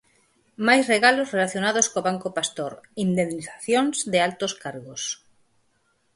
Máis regalos relacionados co Banco Pastor, indemnizacións de altos cargos.